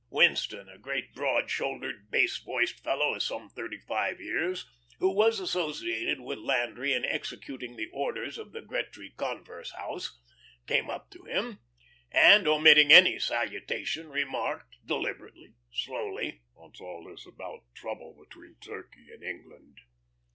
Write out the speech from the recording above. Winston, a great, broad shouldered bass voiced fellow of some thirty five years, who was associated with Landry in executing the orders of the Gretry Converse house, came up to him, and, omitting any salutation, remarked, deliberately, slowly: "What's all this about this trouble between Turkey and England?"